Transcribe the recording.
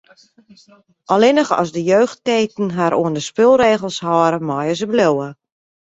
Allinnich as de jeugdketen har oan de spulregels hâlde, meie se bliuwe.